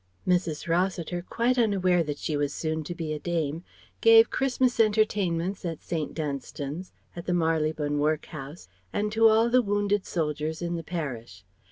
Mrs. Rossiter, quite unaware that she was soon to be a Dame, gave Christmas entertainments at St. Dunstan's, at the Marylebone Workhouse, and to all the wounded soldiers in the parish.